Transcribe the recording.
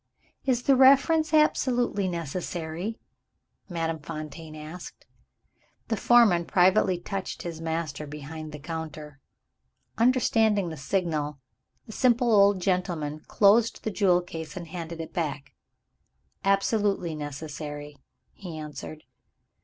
"Is the reference absolutely necessary?" Madame Fontaine asked. The foreman privately touched his master behind the counter. Understanding the signal, the simple old gentleman closed the jewel case, and handed it back. "Absolutely necessary," he answered.